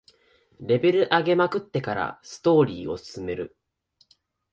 レベル上げまくってからストーリーを進める